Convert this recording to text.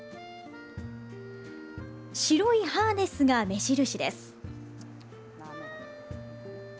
白いハーネスが目印です。